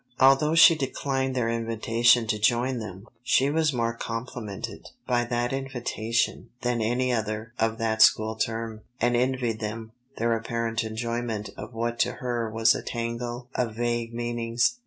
Although she declined their invitation to join them, she was more complimented by that invitation than any other of that school term, and envied them their apparent enjoyment of what to her was a tangle of vague meanings.